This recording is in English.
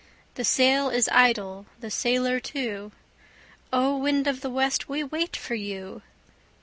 The sail is idle, the sailor too; O! wind of the west, we wait for you.